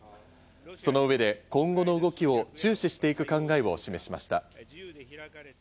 その上で今後の動きを注視していく考えを示しました。